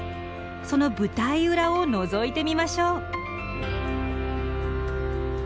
その舞台裏をのぞいてみましょう。